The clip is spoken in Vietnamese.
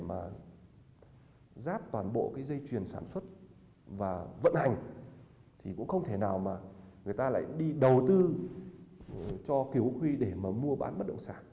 chỉ là trong một vai trò để giáp toàn bộ dây chuyền sản xuất và vận hành thì cũng không thể nào mà người ta lại đi đầu tư cho kiều quốc huy để mà mua bán bất động sản